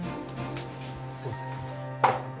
すいません。